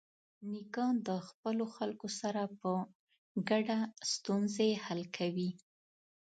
نیکه د خپلو خلکو سره په ګډه ستونزې حل کوي.